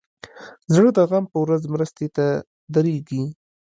زړه د غم په ورځ مرستې ته دریږي.